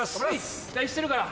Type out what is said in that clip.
期待してるから。